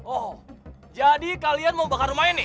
oh jadi kalian mau bakar rumah ini